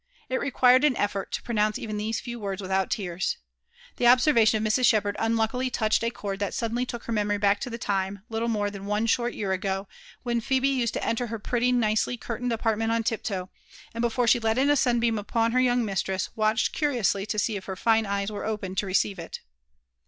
It required an effort to pronounce even these few words without tears. The obser vation of Mrs. Shepherd unluckily touched a chord that suddenly took her memory back to the time, little more than one short year ago, when Phebe used to enter her pretty, nicely curtained apartment on tiptoe, and before she let in a sunbeam upon her young mistress, watched cautiously to see if her fine eyes were open to receive it.